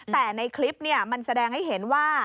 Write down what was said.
แต่ในคลิปมันแสดงให้เห็นว่า